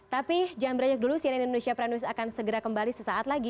tapi jangan beranjak dulu cnn indonesia prime news akan segera kembali sesaat lagi